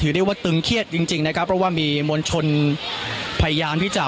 เดี๋ยวฟังบริกาศสักครู่นะครับคุณผู้ชมครับคุณผู้ชมครับ